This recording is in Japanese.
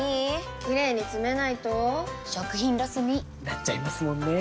キレイにつめないと食品ロスに．．．なっちゃいますもんねー！